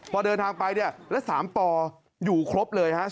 พอเดินทางไปแล้ว๓ปอยู่ครบเลย